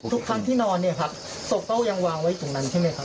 ทุกครั้งที่นอนศพเก้ายังวางไว้ตรงนั้นใช่ไหมครับ